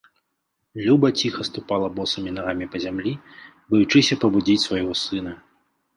Люба ціха ступала босымі нагамі па зямлі, баючыся пабудзіць свайго сына.